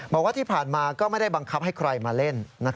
บอกว่าที่ผ่านมาก็ไม่ได้บังคับให้ใครมาเล่น